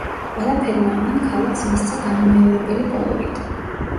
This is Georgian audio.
ყველაფერმა ამან ქალაქს მისცა განუმეორებელი კოლორიტი.